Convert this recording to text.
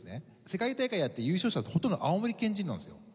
世界大会やって優勝者ってほとんど青森県人なんですよ。